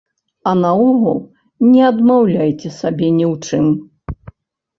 А наогул, не адмаўляйце сабе ні ў чым.